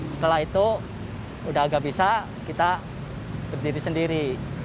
setelah itu udah agak bisa kita berdiri sendiri